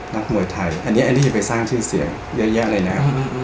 นักมวยไทยอันนี้จะไปสร้างชื่อเสียงเยอะแยะเลยนะ